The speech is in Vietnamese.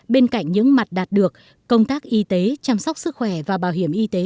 bên cạnh những mặt đạt được công tác y tế chăm sóc sức khỏe và bảo hiểm y tế